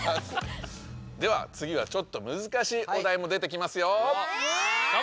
では次はちょっとむずかしいお題も出てきますよ。